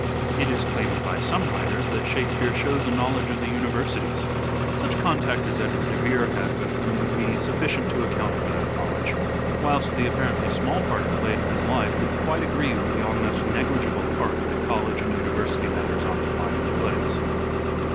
It is claimed by some writers that Shakespeare shows a knowledge of the universities. Such contact as Edward de Vere had with them would be sufficient to account for that knowledge, whilst the apparently small part it played in his life would quite agree with the almost negligible part that college and university matters occupy in the plays.